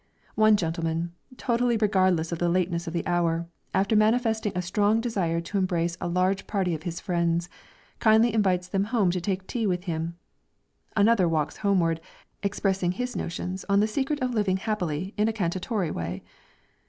One gentleman, totally regardless of the lateness of the hour, after manifesting a strong desire to embrace a large party of his friends, kindly invites them home to take tea with him. Another walks homeward, expressing his notions on the secret of living happily in a cantatory way.